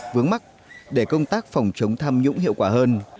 vướng mắt để công tác phòng chống tham nhũng hiệu quả hơn